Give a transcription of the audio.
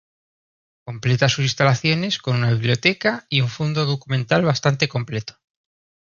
Completa sus instalaciones con una biblioteca y un fondo documental bastante completo.